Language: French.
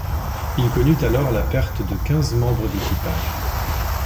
Il connut alors la perte de quinze membres d'équipage.